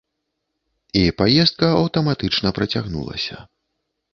І паездка аўтаматычна працягнулася.